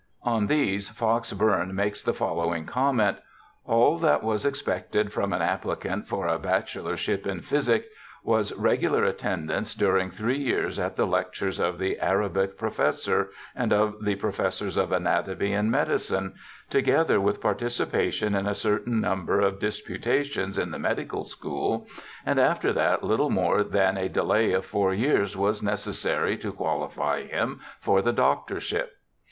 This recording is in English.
On these Fox Bourne makes the following comment :' All that was expected from an applicant for a bachelor ship in physic was regular attendance during three years at the lectures of the Arabic professor and of the professors of anatom}' and medicine, together with par ticipation in a certain number of disputations m the medical school, and after that little more than a delay of four 3'ears was necessary to qualify him for the doctorship.